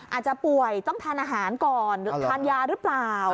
อาจจะป่วยต้องทานอาหารก่อนทานยาหรือเปล่า